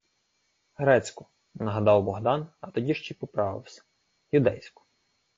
— Грецьку, — нагадав Богдан, а тоді ще й поправився: — Юдейську.